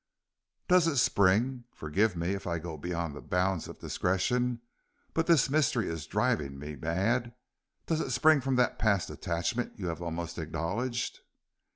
"Does it spring forgive me if I go beyond the bounds of discretion, but this mystery is driving me mad does it spring from that past attachment you have almost acknowledged?"